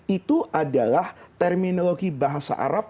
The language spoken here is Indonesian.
itu adalah terminologi bahasa arab